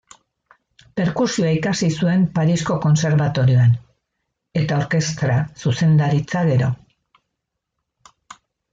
Perkusioa ikasi zuen Parisko Kontserbatorioan, eta orkestra-zuzendaritza gero.